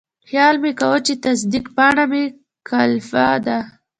خیال مې کاوه چې تصدیق پاڼه مې کلپه ده.